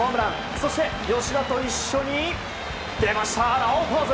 そして、吉田と一緒に出ました、ラオウポーズ！